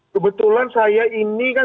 kebetulan saya ini kan